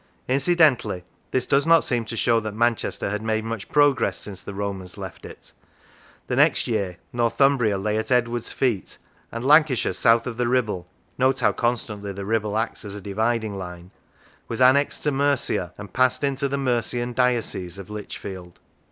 Incidentally, this does not seem to show that Manchester had made much progress since the Romans left it. The next year Northumbria lay at Edward's feet, and Lancashire south of the Kibble (note how constantly the Kibble acts as dividing line) was annexed to Mercia, and passed into the Mercian diocese of Lichfield.